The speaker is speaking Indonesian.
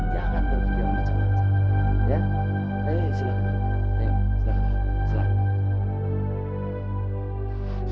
saya sangat berhutang budi sama bapak dan ibu